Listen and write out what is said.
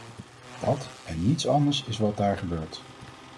Dat, en niets anders, is wat daar gebeurt.